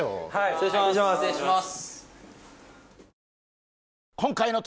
失礼します。